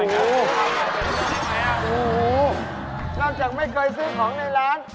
โอ้โหนอกจากไม่เคยซื้อของในร้าน